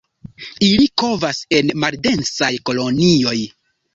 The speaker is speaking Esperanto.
Ili kovas en maldensaj kolonioj.